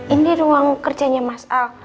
ini ruang kerjanya mas al